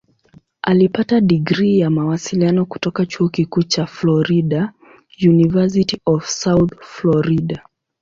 Alipata digrii ya Mawasiliano kutoka Chuo Kikuu cha Florida "University of South Florida".